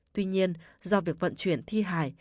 tuy nhiên do việc vận chuyển thi hải